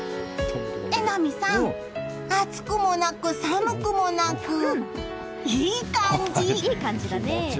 榎並さん、暑くもなく寒くもなくいい感じ！